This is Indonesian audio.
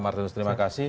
martinus terima kasih